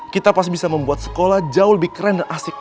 kita pasti bisa membuat sekolah jauh lebih keren dan asik